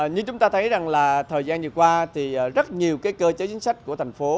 như chúng ta thấy rằng là thời gian vừa qua thì rất nhiều cái cơ chế chính sách của thành phố